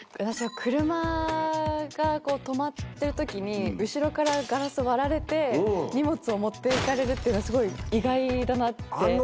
私は車が止まってる時に後ろからガラスを割られて荷物を持って行かれるというのがすごい意外だなって。